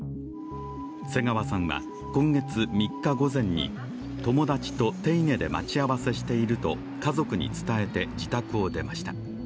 瀬川さんは今月３日午前に友達と手稲で待ち合わせしていると家族に伝えて自宅を出ました。